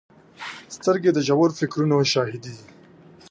سترګې د ژور فکرونو شاهدې دي